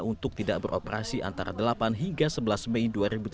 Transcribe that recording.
untuk tidak beroperasi antara delapan hingga sebelas mei dua ribu tujuh belas